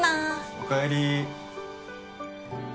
おかえり。